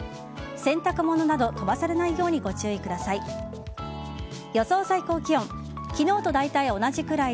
洗濯物など飛ばされないようにご注意ください。